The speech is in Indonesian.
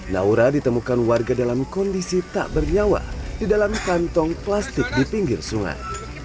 naura ditemukan warga dalam kondisi tak bernyawa di dalam kantong plastik di pinggir sungai